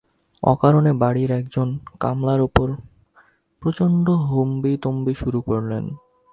অকারণে বাড়ির এক জন কামলার ওপর প্রচন্ড হম্বিতম্বি শুরু করলেন।